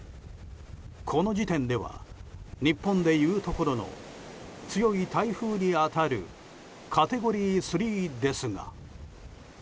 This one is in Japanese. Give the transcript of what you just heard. この時点では日本でいうところの強い台風に当たるカテゴリー３ですが。